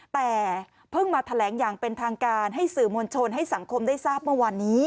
แต่เพิ่งมาแถลงอย่างเป็นทางการให้สื่อมวลชนให้สังคมได้ทราบเมื่อวานนี้